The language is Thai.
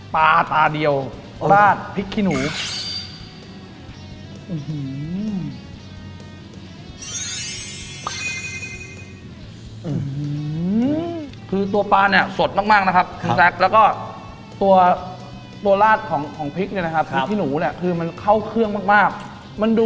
ปลาตาเดียวราดพริกขี้หนู